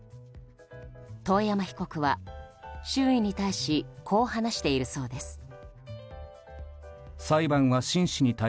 遠山被告は周囲に対しこう話しているそうです。